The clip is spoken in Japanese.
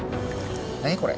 何これ？